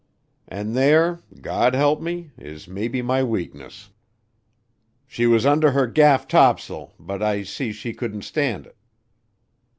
And there, God help me, is maybe my weakness. "She was under her gaff tops'l, but I see she couldn't stand it.